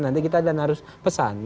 nanti kita dan harus pesan